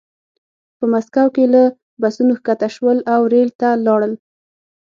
په مسکو کې له بسونو ښکته شول او ریل ته لاړل